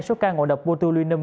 số ca ngộ độc botulinum